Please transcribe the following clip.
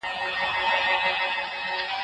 تاسي کولای شئ خپله پوښتنه په ګروپ کې وپوښتئ.